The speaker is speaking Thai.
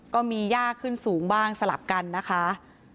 ก็มียากขึ้นสูงบ้างสลับกันนะคะ